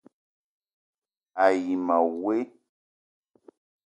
A yi ma woe :